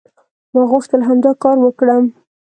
ما غوښتل همدا کار وکړم".